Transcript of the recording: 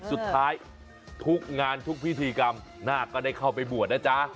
สุดท้ายทุกงานทุกพิธีกรรมนาคก็ได้เข้าไปบวชนะจ๊ะ